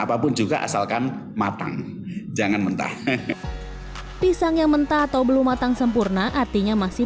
apapun juga asalkan matang jangan mentah pisang yang mentah atau belum matang sempurna artinya masih